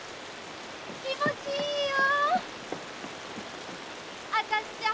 気持ちいいよ！